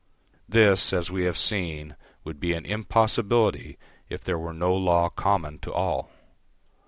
This, as we have seen, would be an impossibility if there were no law common to all.